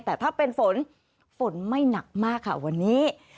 แต่ถ้าเป็นฝนฝนไม่หนักมากค่ะวันนี้